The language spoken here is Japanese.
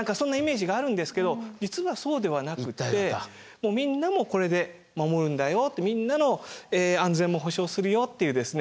もうみんなもこれで守るんだよってみんなの安全も保証するよっていうですね